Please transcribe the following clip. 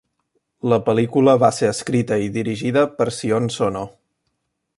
La pel·lícula va ser escrita i dirigida per Sion Sono.